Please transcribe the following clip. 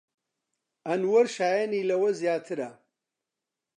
ئەنوەر شایەنی لەوە زیاترە.